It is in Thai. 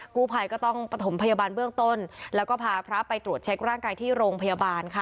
กู้ภัยก็ต้องประถมพยาบาลเบื้องต้นแล้วก็พาพระไปตรวจเช็คร่างกายที่โรงพยาบาลค่ะ